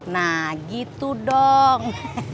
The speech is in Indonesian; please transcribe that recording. nah gitu dong